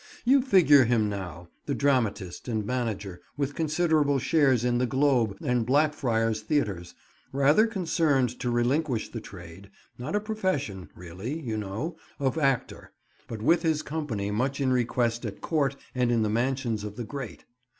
You figure him now, the dramatist and manager, with considerable shares in the Globe and Blackfriars Theatres, rather concerned to relinquish the trade—not a profession, really, you know—of actor, but with his company much in request at Court and in the mansions of the great.